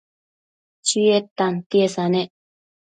Chied tantiesa nec